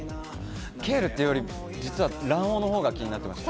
ケールっていうより、卵黄のほうが気になりました。